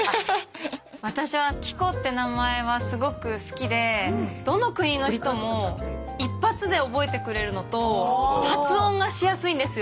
私は「希子」って名前はすごく好きでどの国の人も一発で覚えてくれるのと発音がしやすいんですよ。